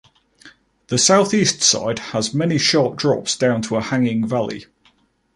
The south-east side has many sharp drops down to a hanging valley.